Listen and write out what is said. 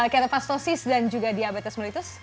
keopastosis dan juga diabetes mellitus